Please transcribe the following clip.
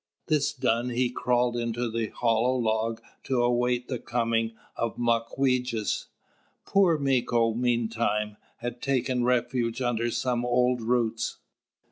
This done, he crawled into the hollow log to await the coming of Mawquejess. Poor Mīko, meantime, had taken refuge under some old roots.